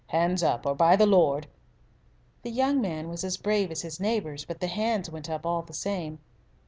"Hands up! or, by the Lord " The young man was as brave as his neighbours, but the hands went up all the same.